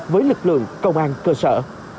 với lực lượng công an cơ sở